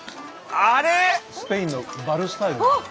スペインのバルスタイル。